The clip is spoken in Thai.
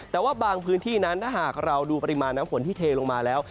แต่ว่าบางพื้นที่นั้นถ้าหากเราดูปริมาณน้ำฝนที่เทลงมาแล้ว